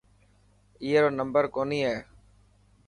اي رو نمبر ڪوني هي.